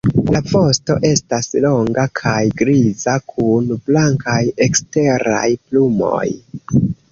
La vosto estas longa kaj griza kun blankaj eksteraj plumoj.